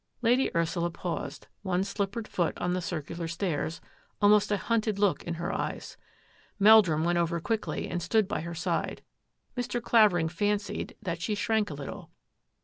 Lady Ursula paused, one slippered foot on the circular stairs, almost a hunted look in her eyes. Meldrum went over quickly and stood by her side. Mr. Clavering fancied that she shrank a little.